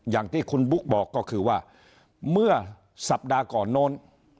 อย่างที่คุณบุ๊กบอกก็คือว่าเมื่อสัปดาห์ก่อนโน้น